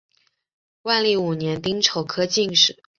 万历五年丁丑科进士。